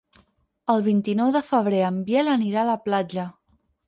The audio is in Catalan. El vint-i-nou de febrer en Biel anirà a la platja.